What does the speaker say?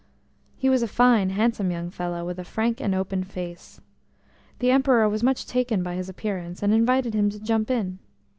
He was a fine, handsome young fellow, with a frank and open face. The Emperor was much taken by his appearance, and invited him to jump in.